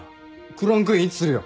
クランクインいつするよ？